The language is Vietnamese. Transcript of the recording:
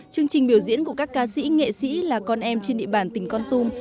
chương trình biểu diễn của các ca sĩ nghệ sĩ là con em trên địa bàn tỉnh con tum